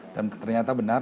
dan ternyata benar